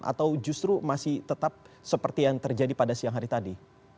atau justru masih tetap seperti yang terjadi pada siang hari tadi